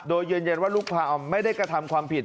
โดยยืนยันว่าลูกความไม่ได้กระทำความผิด